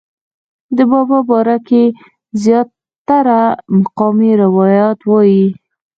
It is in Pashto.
د بابا باره کښې زيات تره مقامي روايات وائي